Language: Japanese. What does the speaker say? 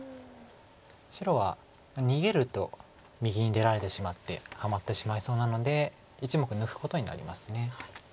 白は逃げると右に出られてしまってハマってしまいそうなので１目抜くことになります。